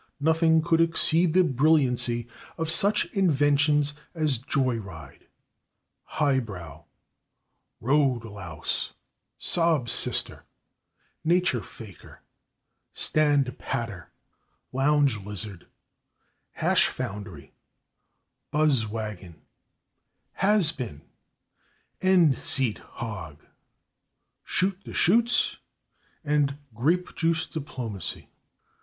Nothing could exceed the brilliancy of such inventions as /joy ride/, /high brow/, /road louse/, /sob sister/, /nature faker/, /stand patter/, /lounge lizard/, /hash foundry/, /buzz wagon/, /has been/, /end seat hog/, /shoot the chutes/ and /grape juice diplomacy